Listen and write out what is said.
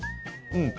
うん。